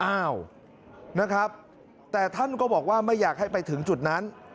อ้าวนะครับแต่ท่านก็บอกว่าไม่อยากให้ไปถึงจุดนั้น